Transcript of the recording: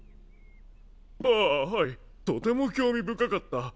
ああはいとても興味深かった。